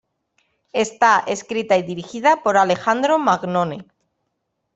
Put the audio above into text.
Está escrita y dirigida por Alejandro Magnone.